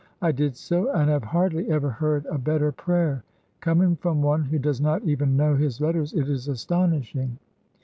I did so, and I have hardly ever heard a better prayer. Coming from one who does not even know his letters, it is astonishing!